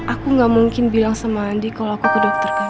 aku gak mungkin bilang sama andi kalau aku ke dokter kamu